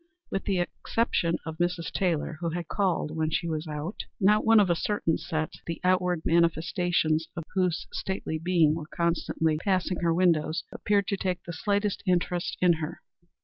With the exception of Mrs. Taylor, who had called when she was out, not one of a certain set, the outward manifestations of whose stately being were constantly passing her windows, appeared to take the slightest interest in her.